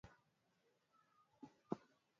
Nilo Hamites Wagorowa Wairaq Maasai Barbaig